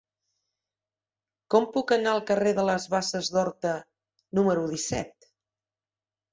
Com puc anar al carrer de les Basses d'Horta número disset?